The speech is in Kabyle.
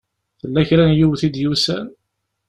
Tella kra n yiwet i d-yusan?